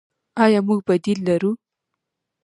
آیا موږ بدیل لرو؟